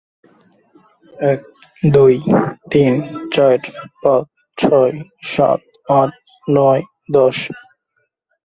নম্বর ক্রম পণ্য উন্নয়ন ক্রম অনুরূপ নাও হতে পারে।